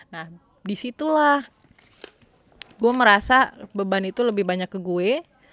nah disitulah gue merasa beban itu lebih banyak ke gue